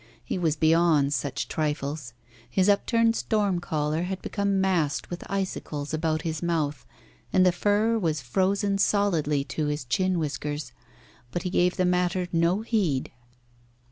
He was beyond such trifles. His upturned storm collar had become massed with icicles about his mouth, and the fur was frozen solidly to his chin whisker, but he gave the matter no heed.